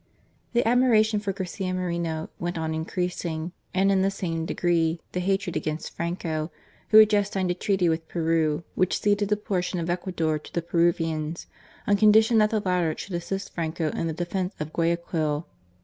The admiration for Garcia Moreno went on increas ing, and in the same degree the hatred against Franco, who had just signed a treaty with Peru, which ceded a portion of Ecuador to the Peruvians, on condition that the latter should assist Franco in the defence of Guayaquil.